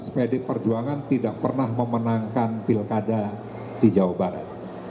pdi perjuangan tidak pernah memenangkan pilkada di jawa barat